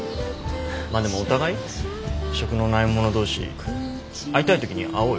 まあでもお互い？職のないもの同士会いたい時に会おうよ。